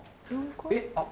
えっあっ。